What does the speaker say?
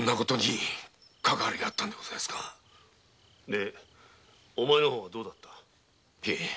でお前の方はどうだった？